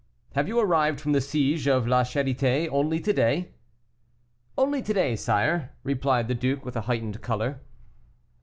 "Have you arrived from the siege of La Charité only to day?" "Only to day, sire," replied the duke, with a heightened color.